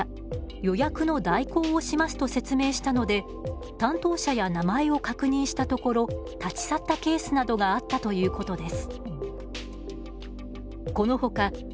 予約の代行をします」と説明したので担当者や名前を確認したところ立ち去ったケースなどがあったということです。